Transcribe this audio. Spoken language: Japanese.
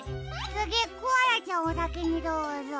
つぎコアラちゃんおさきにどうぞ。